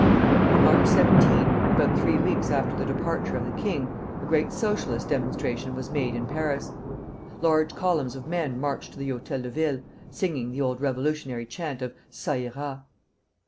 On March 17, about three weeks after the departure of the king, a great Socialist demonstration was made in Paris. Large columns of men marched to the Hôtel de Ville, singing the old revolutionary chant of "Ça ira."